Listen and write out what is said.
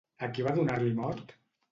A qui va donar-li mort?